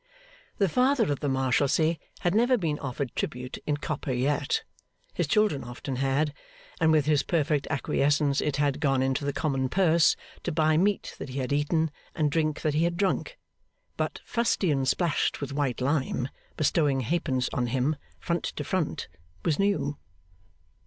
The Father of the Marshalsea had never been offered tribute in copper yet. His children often had, and with his perfect acquiescence it had gone into the common purse to buy meat that he had eaten, and drink that he had drunk; but fustian splashed with white lime, bestowing halfpence on him, front to front, was new.